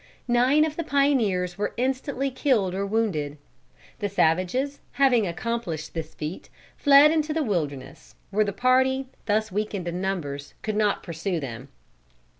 Nine of the pioneers were instantly killed or wounded. The savages, having accomplished this feat, fled into the wilderness, where the party, thus weakened in numbers, could not pursue them.